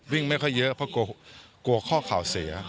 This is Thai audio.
วิ่งไม่ค่อยเยอะเพราะกลัวข้อข่าวเสีย